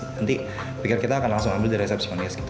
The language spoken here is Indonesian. nanti picker kita akan langsung ambil di resepsionis